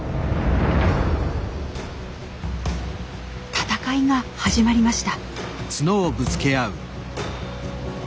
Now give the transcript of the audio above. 戦いが始まりました。